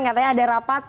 katanya ada rapat